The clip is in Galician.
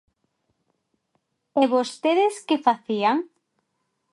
¿E vostedes que facían?